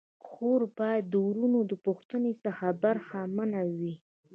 خور باید د وروڼو د پوښتني څخه برخه منه وي.